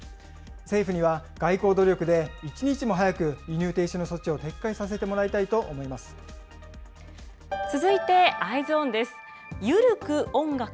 政府には、外交努力で一日も早く輸入停止の措置を撤回させてもらいたいと思続いてＥｙｅｓｏｎです。